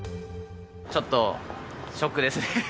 ちょっとショックですね。